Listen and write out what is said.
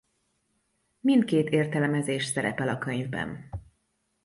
Mindkét értelmezés szerepel a könyvben.